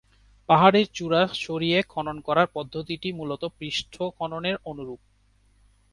পাহাড়ের চূড়া সরিয়ে খনন করার পদ্ধতিটি মূলত পৃষ্ঠ খননের অনুরূপ।